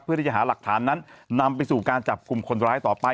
เพื่อที่จะหาหลักฐานนั้นนำไปสู่การจับกลุ่มคนร้ายต่อไป